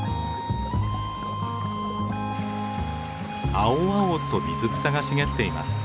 青々と水草が茂っています。